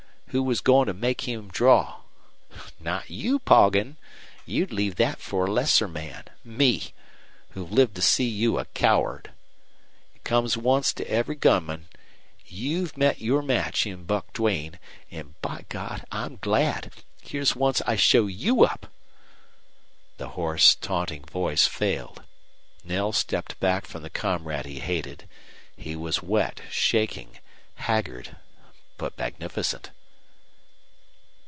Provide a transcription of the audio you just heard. Who was goin' to make him draw? Not you, Poggin! You leave that for a lesser man me who've lived to see you a coward. It comes once to every gunman. You've met your match in Buck Duane. An', by God, I'm glad! Here's once I show you up!" The hoarse, taunting voice failed. Knell stepped back from the comrade he hated. He was wet, shaking, haggard, but magnificent.